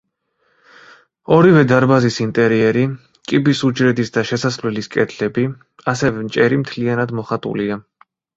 ორივე დარბაზის ინტერიერი, კიბის უჯრედის და შესასვლელის კედლები, ასევე ჭერი მთლიანად მოხატულია.